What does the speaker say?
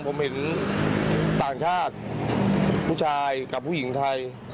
ผมเห็นต่างชาติผู้ชายกับผู้หญิงไทย